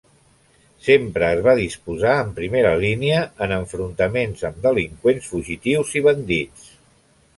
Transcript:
Sempre es va disposar en primera línia en enfrontaments amb delinqüents fugitius i bandits.